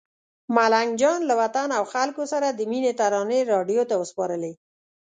ملنګ جان له وطن او خلکو سره د مینې ترانې راډیو ته وسپارلې.